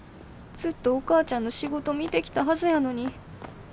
ずっとお母ちゃんの仕事見てきたはずやのに。